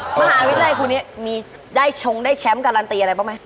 มหาวิทยาลัยคุณนี้ได้ชมได้แชมป์การันตีอะไรเปล่าไหม